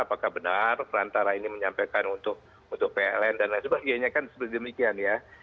apakah benar perantara ini menyampaikan untuk pln dan lain sebagainya kan seperti demikian ya